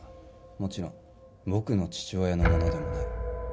もちろん僕の父親のものでもない